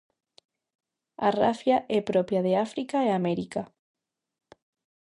A rafia é propia de África e América.